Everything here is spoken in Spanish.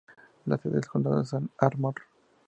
La sede del condado es Ardmore.